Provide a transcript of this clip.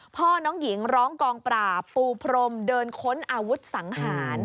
พ่อน้องหญิงร้องกองปราบปูพรมเดินค้นอาวุธสังหาร